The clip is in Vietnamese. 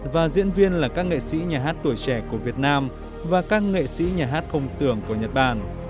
và diễn viên là các nghệ sĩ nhà hát tuổi trẻ của việt nam và các nghệ sĩ nhà hát không tưởng của nhật bản